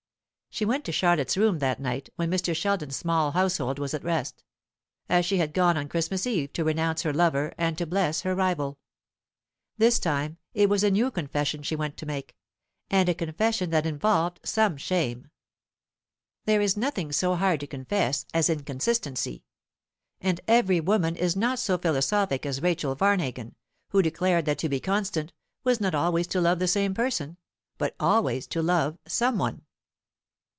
She went to Charlotte's room that night, when Mr. Sheldon's small household was at rest; as she had gone on Christmas Eve to renounce her lover and to bless her rival. This time it was a new confession she went to make, and a confession that involved some shame. There is nothing so hard to confess as inconstancy; and every woman is not so philosophic as Rahel Varnhagen, who declared that to be constant was not always to love the same person, but always to love some one.